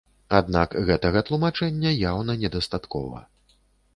Аднак гэтага тлумачэння яўна недастаткова.